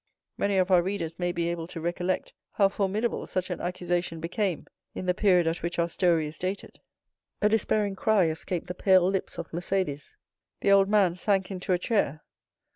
Many of our readers may be able to recollect how formidable such an accusation became in the period at which our story is dated. A despairing cry escaped the pale lips of Mercédès; the old man sank into a chair.